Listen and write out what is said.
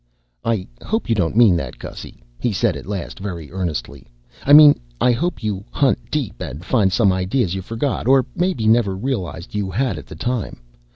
"I hope you don't mean that, Gussy," he said at last very earnestly. "I mean, I hope you hunt deep and find some ideas you forgot, or maybe never realized you had at the time.